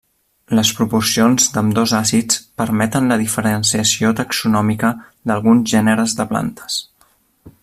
Les proporcions d'ambdós àcids permeten la diferenciació taxonòmica d'alguns gèneres de plantes.